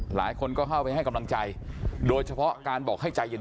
หลายคนก็เข้าไปให้กำลังใจโดยเฉพาะการบอกให้ใจเย็น